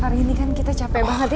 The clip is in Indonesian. hari ini kan kita capek banget ya